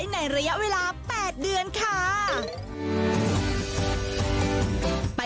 ในระยะเวลา๘เดือนค่ะ